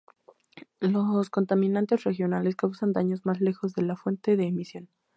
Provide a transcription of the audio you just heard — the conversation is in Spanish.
Los contaminantes regionales causan daños más lejos de la fuente de emisión.